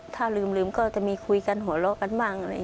ถ้าลืมก็จะมีคุยกันหัวเราะกันบ้าง